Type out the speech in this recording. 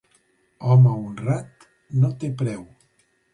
Home honrat no té preu.